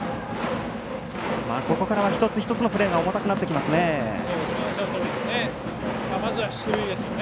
ここからは一つ一つのプレーが重たくなってきますね。